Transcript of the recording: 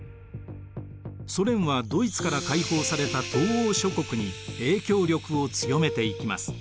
ソ連はドイツから解放された東欧諸国に影響力を強めていきます。